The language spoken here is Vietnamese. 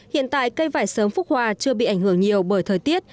hiện tại cây vải sớm phúc hòa chưa bị ảnh hưởng nhiều bởi thời tiết